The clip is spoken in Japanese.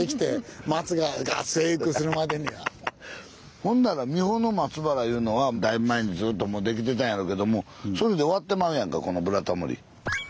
ほんなら三保松原いうのはだいぶ前にずっとできてたんやろうけどもそれで終わってまうやんかこの「ブラタモリ」。